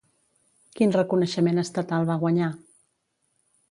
Quin reconeixement estatal va guanyar?